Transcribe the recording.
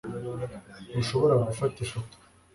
Ntushobora gufata ifoto